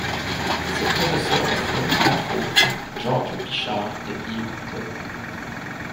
Ses professeurs furent entre autres Georges Pichard, et Yves Got.